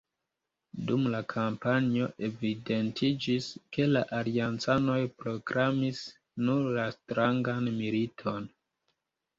Dum la kampanjo evidentiĝis ke la aliancanoj proklamis nur la strangan militon.